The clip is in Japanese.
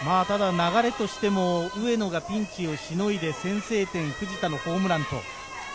流れとしても上野がピンチをしのいで先制点、藤田のホームランと。